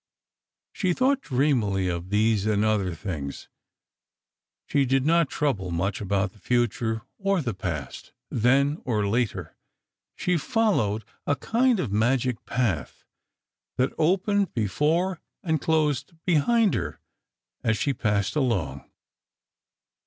She thought dreamily of these and other things. She did not trouble much, about the future, or the past—then, or later. She followed a kind of magic path, that opened before, and closed behind her as she passed along.